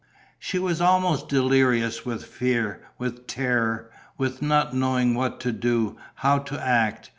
She was almost delirious with fear, with terror, with not knowing what to do, how to act....